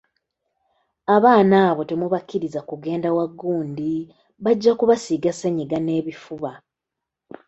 Abaana abo temubakkiriza kugenda wa gundi bajja kubasiiga ssennyiga n'ebifuba!